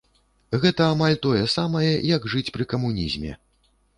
Гэта амаль тое самае, як жыць пры камунізме.